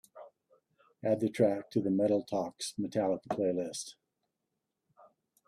Add the track to the Metal Talks Metallica playlist.